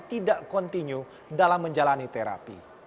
tidak kontinu dalam menjalani terapi